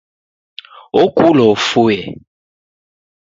Okulwa ufue